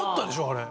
あれ。